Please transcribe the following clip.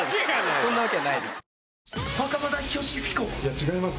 そんなわけないです。